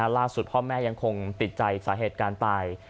พ่อแม่ยังคงติดใจสาเหตุการณ์ตาย